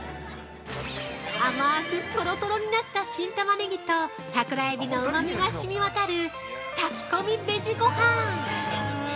甘ーくとろとろになった新タマネギと桜えびのうまみがしみわたる炊き込みベジごはん。